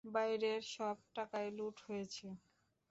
বাইরের সব টাকাই লুট হয়েছে।